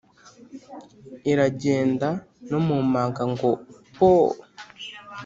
Iragenda no mu manga ngo pooo!